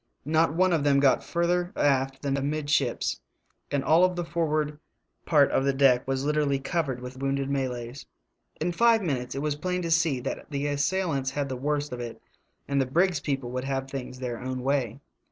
Not one of them got further aft than amidships, and all the forward part of the deck was literally cov ered with wounded Malays. In five minutes it was plain to see that the assailants had the worst of it and the brig's people would have things their own way.